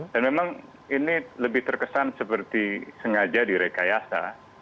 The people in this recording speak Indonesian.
dan memang ini lebih terkesan seperti sengaja direkayasa